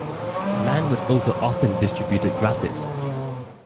Land was also often distributed gratis.